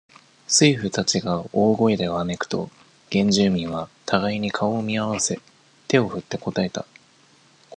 水夫たちが大声でわめくと、原住民は、互いに顔を見合わせ、手を振って答えた。